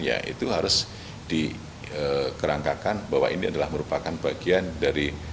ya itu harus dikerangkakan bahwa ini adalah merupakan bagian dari